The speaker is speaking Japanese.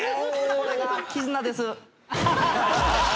これが絆です。